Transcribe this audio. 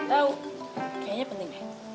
tahu kayaknya penting deh